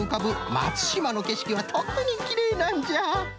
まつしまのけしきはとくにきれいなんじゃ。